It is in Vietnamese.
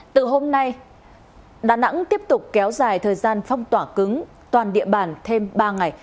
từ hôm nay đà nẵng tiếp tục kéo dài thời gian phong tỏa cứng toàn địa bàn thêm ba ngày